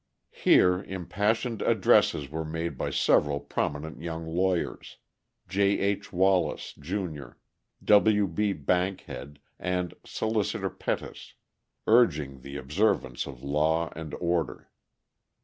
Here impassioned addresses were made by several prominent young lawyers J. H. Wallace, Jr., W. B. Bankhead, and Solicitor Pettus urging the observance of law and order.